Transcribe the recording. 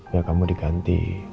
ya kamu diganti